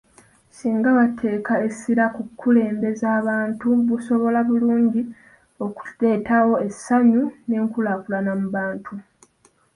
Singa bateeka essira ku kulembeza abantu busobola bulungi okuleetawo essanyu n’enkulaakulana mu bantu.